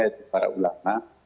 yaitu para ulama